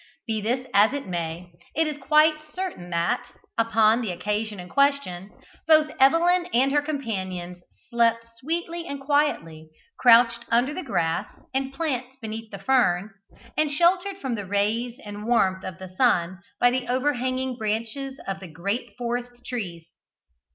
Be this as it may, it is quite certain that, upon the occasion in question, both Evelyn and her companions slept sweetly and quietly, couched under the grass and plants beneath the fern, and sheltered from the rays and warmth of the sun by the overhanging branches of the great forest trees.